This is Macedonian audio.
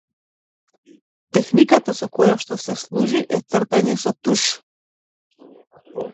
Техниката со која што се служи е цртање со туш.